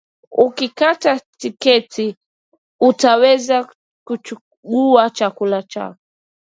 Ukikata tiketi, utaweza kuchagua chakula chako.